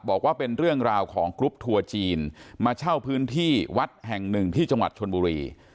บอกว่าเป็นเรื่องราวของกรุ๊ปทัวร์จีนมาเช่าพื้นที่วัดแห่งหนึ่งที่จังหวัดชนบุรี